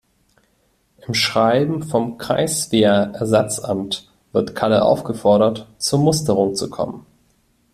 Im Schreiben vom Kreiswehrersatzamt wird Kalle aufgefordert, zur Musterung zu kommen.